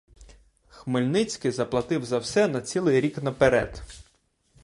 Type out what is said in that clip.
Хмельницький заплатив за все на цілий рік наперед.